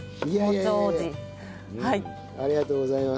ありがとうございます。